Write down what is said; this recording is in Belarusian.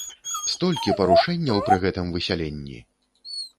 Столькі парушэнняў пры гэтым высяленні!